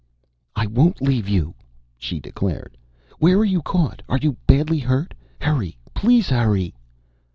"I won't leave you," she declared "Where are you caught? Are you badly hurt? Hurry, please hurry!"